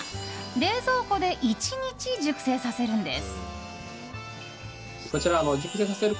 冷蔵庫で１日、熟成させるんです。